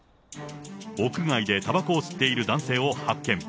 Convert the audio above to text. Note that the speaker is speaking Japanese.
屋外でたばこを吸っている男性を発見。